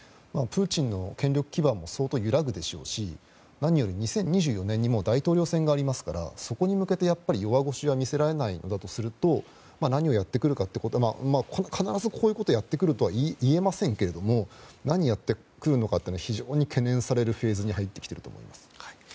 プーチンの権力基盤も相当揺らぐでしょうし何より２０２４年に大統領選がありますからそこに向けて弱腰は見せられないとすると何をやってくるかということは必ず、こういうことをやってくるということは言えませんけど何をやってくるのか非常に懸念されるフェーズに入っていると思います。